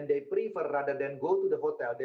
terima kasih selamat pagi semua